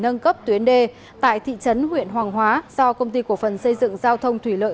nâng cấp tuyến đê tại thị trấn huyện hoàng hóa do công ty cổ phần xây dựng giao thông thủy lợi